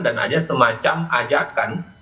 dan ada semacam ajakan